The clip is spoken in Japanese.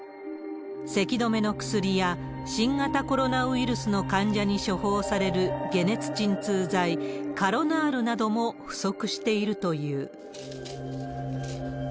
せき止めの薬や、新型コロナウイルスの患者に処方される解熱鎮痛剤、カロナールなども不足しているという。